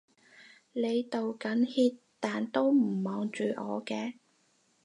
你道緊歉但都唔望住我嘅